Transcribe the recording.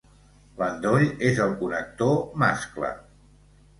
L'endoll és el connector mascle.